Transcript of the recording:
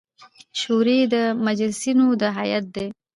شوري د مجلسـینو د هیئـت د